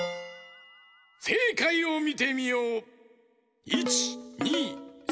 せいかいをみてみよう！